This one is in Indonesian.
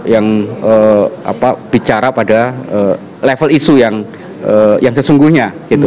yang bicara pada level isu yang sesungguhnya